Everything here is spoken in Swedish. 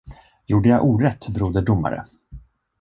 Gjorde jag orätt, broder domare?